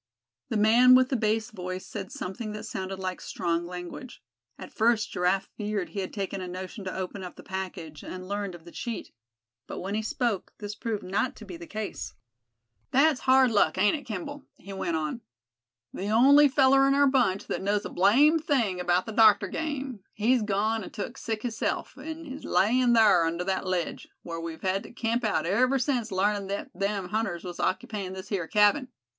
The man with the bass voice said something that sounded like strong language. At first Giraffe feared he had taken a notion to open up the package, and learned of the cheat; but when he spoke, this proved not to be the case. "That's hard luck, ain't it, Kimball?" he went on. "The only feller in our bunch thet knows a blamed thing about the doctor game, he's gone an' took sick hisself, an' is alyin' thar under thet ledge, whar we've hed to camp out ever since larnin' thet them hunters was occupyin' this here cabin.